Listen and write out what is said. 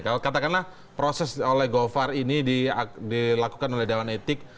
kalau katakanlah proses oleh govar ini dilakukan oleh dewan etik